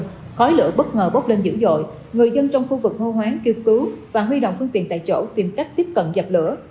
trong khói lửa bất ngờ bốc lên dữ dội người dân trong khu vực hô hoáng kêu cứu và huy động phương tiện tại chỗ tìm cách tiếp cận dập lửa